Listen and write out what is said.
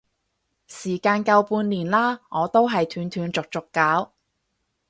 時間夠半年啦，我都係斷斷續續搞